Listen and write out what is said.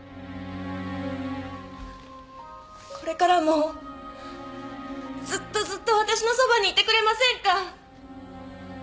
これからもずっとずっとわたしのそばにいてくれませんか？